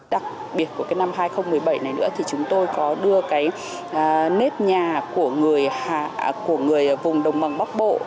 đặc biệt của cái năm hai nghìn một mươi bảy này nữa thì chúng tôi có đưa cái nếp nhà của người vùng đồng bằng bắc bộ